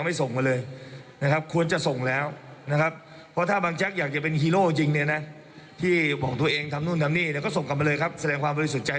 มีการกล่าวอ้างว่ามีผู้รับเงิน๓แสนอะไรก็แล้วแต่